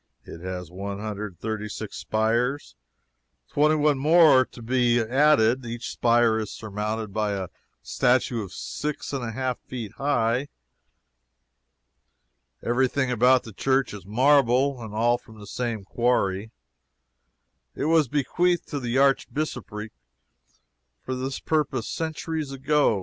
It has one hundred and thirty six spires twenty one more are to be added. Each spire is surmounted by a statue six and a half feet high. Every thing about the church is marble, and all from the same quarry; it was bequeathed to the Archbishopric for this purpose centuries ago.